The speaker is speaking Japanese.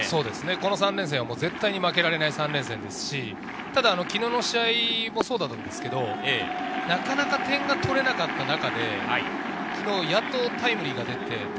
この３連戦、絶対に負けられないですし昨日の試合もそうだったんですけれど、なかなか点が取れなかった中で、昨日やっとタイムリーが出て。